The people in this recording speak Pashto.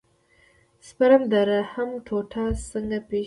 سپرم د رحم ټوټه څنګه پېژني.